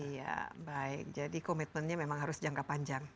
iya baik jadi komitmennya memang harus jangka panjang